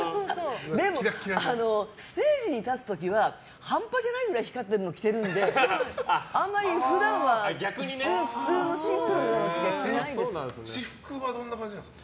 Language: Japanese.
でも、ステージに立つ時は半端じゃないくらい光ってるのを着てるのであんまり普段は普通の私服はどんな感じなんですか。